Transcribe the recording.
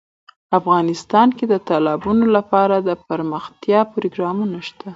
افغانستان کې د تالابونو لپاره دپرمختیا پروګرامونه شته.